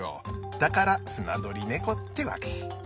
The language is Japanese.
だからスナドリネコってわけ。